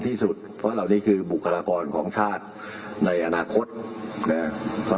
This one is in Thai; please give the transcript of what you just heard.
มีศาสตราจารย์พิเศษวิชามหาคุณเป็นประเทศด้านกรวมความวิทยาลัยธรม